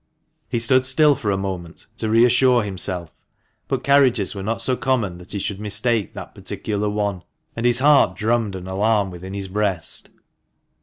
He stood still for a moment to re assure himself, but carriages were not so common that he should mistake that particular one; and his heart drummed an alarm within his breast.